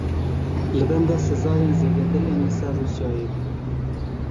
Li benda sizayên zêdetir ên li ser Rûsyayê bin.